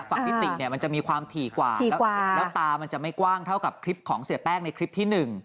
ฟิติเนี่ยมันจะมีความถี่กว่าแล้วตามันจะไม่กว้างเท่ากับคลิปของเสียแป้งในคลิปที่๑